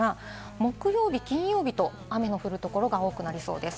木曜日、金曜日と雨の降るところが多くなりそうです。